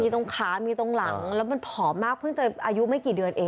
ตรงขามีตรงหลังแล้วมันผอมมากเพิ่งจะอายุไม่กี่เดือนเอง